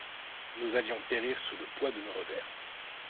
Nous allions périr sous le poids de nos revers.